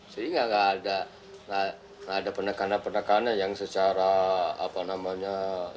sehingga nggak ada penekanan penekanan yang secara apa namanya